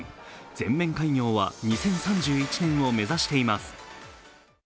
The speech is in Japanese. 全面開業は２０３１年を目指しています。